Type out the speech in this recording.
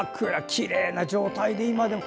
きれいな状態で今でも。